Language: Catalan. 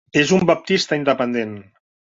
És un baptista independent.